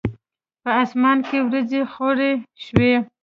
په اسمان کې وریځي خوری شوی